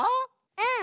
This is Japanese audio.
うん。